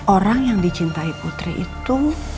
orang yang dicintai putri itu